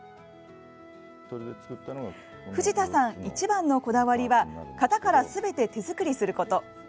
藤田さん一番のこだわりは型から全て手作りすること。